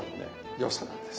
良さなんです。